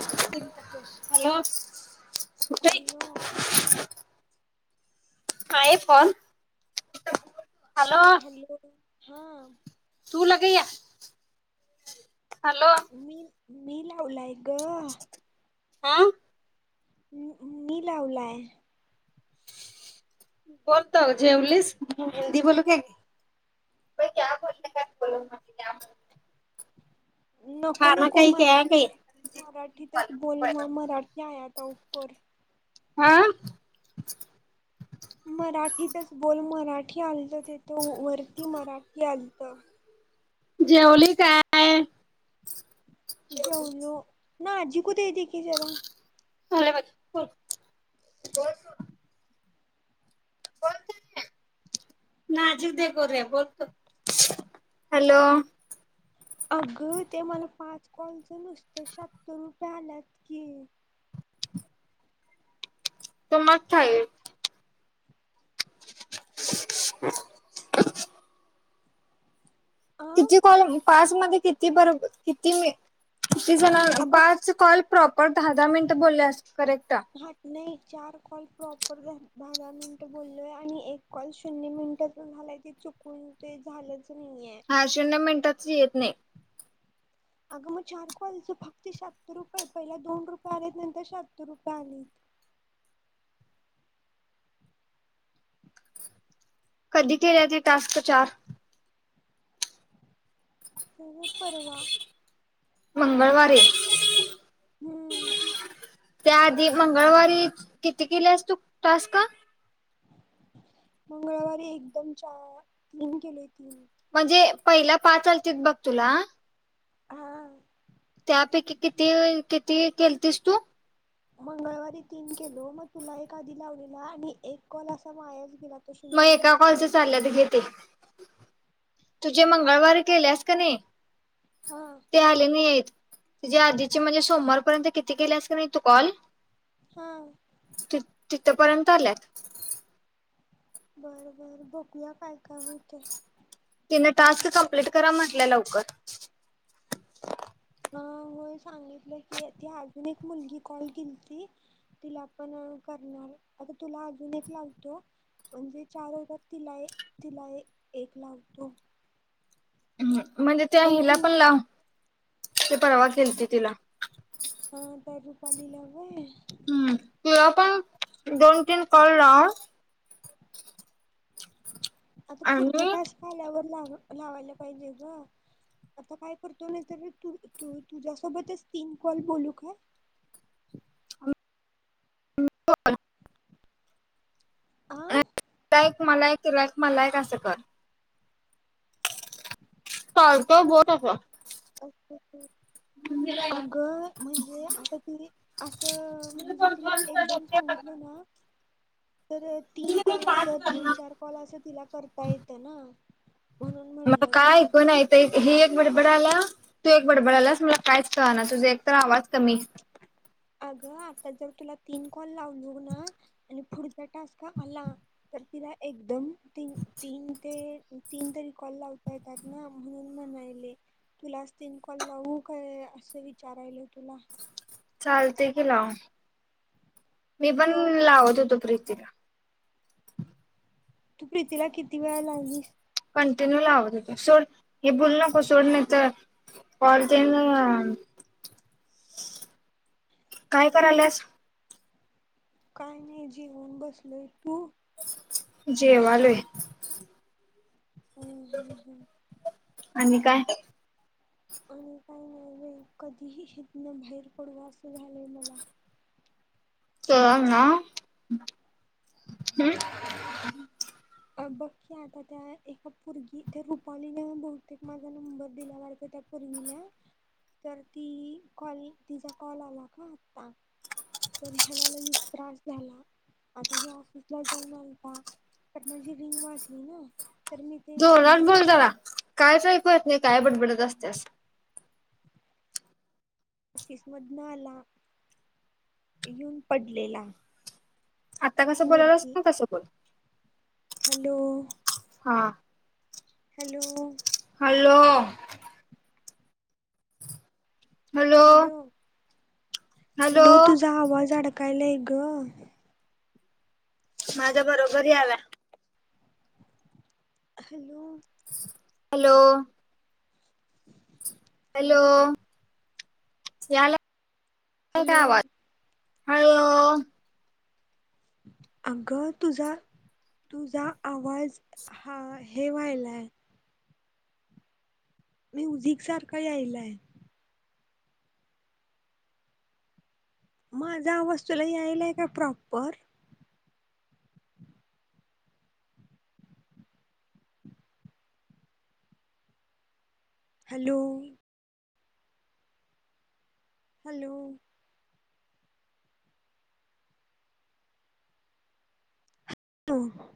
Hello hello iPhone hello हा तू लगे या हॅलो मी मी लावलाय ग. हा. मी लावलाय. बोलत जेवलीस इंग्लिस हिंदी बोलू का [inaudible] नको खाना नको काही मरा क्या काही [inaudible] मराठीतच बोल म मराठी आत पर हा [inaudible] मराठीतच बोल मराठी आलत तिथं वरती मराठी आलत. जेवली काय आहे [inaudible] जाऊलो ना आज क ते दे के जरा [unintelligible] [inaudible] ना जिदे कोरे बोलतो. हॅलो अगं ते मला पाच कॉलचं नुसतं शाततर रुपये आल्यात कि त मग खाय. [inaudible] अ किती कॉल पास मध्ये किती बरोब किती म किती जण अ बघ पाच कॉल प्रॉपर दहा दहा मिनिट बोलले अस हट नाही चार कॉल प्रॉपर दारा मिनिट बोललोय आणि एक कॉल शून्य मिनिट झालायचे चुकून ते झालंच नाहीये. हा शून्य मिनिटातच येत नाही अगं मग चार क्वालच फक्त शाततर रुपये पहिला दोन रुपये आलेत नंतर शत्तर रुपये आलेत [unintelligible] कधी केल्या ते टास्क चार हो पर्वा मंगळवारी हम्म त्या आधी मंगळवारी किती केलेस तू तास का मंगळवारी एकदम चार तीन केले तीन म्हणजे पहिला पा चालत बघ तुला हा त्यापैकी किती किती केलतीस तू मंगळवारी तीन केलो मग तुला एक आधी लावलेला आणि एक कॉल असा मायाच गेला तो मग शून्य एका कॉलच म्हणतात चालल्यात घे ते तुझे मंगळवार केलेस का नाही हा ते आले नाही येत तुझे आधीचे म्हणजे सोमवारपर्यंत किती केलेस का नाही तू कॉल हा. तिथपर्यंत आल्यात. बर बर बकूया काय. काय होतंय. तिन टास्क कंप्लीट करा म्हटल्या लवकर. बा सांगितलं की ती अजून एक मुलगी कॉल केलती तिला पण करणार आता तुला अजून एक लागतो. म्हणजे चार हजात तिला तिला एक लावतो ह् म्हणजे त्या हिला पण लाव ते परवा केलती तिला हा तर रुपाली ला व्हय हम् तुला पण दोन तीन कॉल लाव आता पुढच्या आणि टास्क आल्यावर लाव लावायला पाहिजे ग. आता काय करतो ना तर तू तू तुझ्यासोबतच तीन कॉल बोलू का [unintelligible] बर. आह तुला एक मला एक तुला एक मला एक असं कर. तलत बोत असस अच्छाच्छा अगं म्हणजे आता ति असं म्हणजे तिला एकदम सांगितलं ना. ह तर तीन कॉल असं तीन चार कॉल असं तिला करता येतं ना म्हणून मला म्हटलं काय ग ऐकून ही एक बडबड तू एक बडबडलास मला काहीच कळ ना तुझ एकत आवाज कमी अगं आता जर तुला तीन कॉल लावलो ना आणि पुढचा टास्क आला तर त केला एकदम त तीन ते तीन तरी कॉल लावता येतात ना म्हणून म्हणायले तुलाच तीन कॉल लावू का. असं विचारायल तुला चालते की लाव मी पण तो लावत होतो प्रीतीला तू प्रीतीला किती वेळा लावलीस. [unintelligible] [inaudible] काय कराल्यास काय नाही जेवून बसलोयं तू - जेवालोय. होम -होम्म - होम्म- खळ खळ आणि काय- आणि काही नाही, कधीही हितन बाहेर पडू असं झालंय मलां. [inaudible] तर नाखखख हम् - अ बघकी आता त्या एका पोरगी त्या रुपालीला बहुतेक माझा नंबर दिल्या वाटत त्या - वील्या तर ती - कॉल तिचा कॉल आला का? आत्ता. तर ह्याला-ला हच त्रास झाला. आता हे ऑफिसला जाऊन आलता का- फोन म्हणजी रिंग वाजली नांअ - जोर लावून बोल, जरा कायचं आयकु येतनाही काय? बडबडत असते - ऑफिसमधन आला येऊन पडलेला. आत्ता कसं बोललास वरती ना तसं बोल. हॅलो हा hello hello hello hello hello तुझा आवाज अडकायला गअ झम- झम माझ्या बरोबरी आला. ह अलू हॅलोओओओ - हॅलो हॅलोओ याला हॅलोओ अलोहो - अगं तुझा - तुझा आवाज हाय - हेवा् हायलाय. - म्युझिंक सारखं यायलाय. - माझा आवाज तुला यायला का? प्रॉपर-. हलोओ -. हॅलोव -. होवं -.